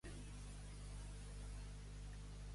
Enviar-lo on Peret envià sa mare.